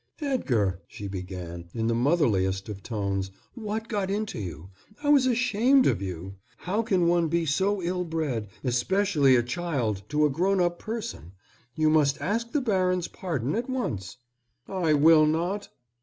"Edgar," she began, in the motherliest of tones, "what got into you? I was ashamed of you. How can one be so ill bred, especially a child to a grown up person? You must ask the baron's pardon at once." "I will not."